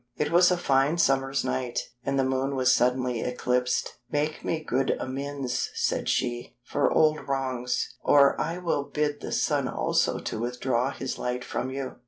It was a fine summer's night, and the Moon was suddenly eclipsed. 'Make me good amends,' said she, 'for old wrongs, or I will bid the Sun also to withdraw his light from you.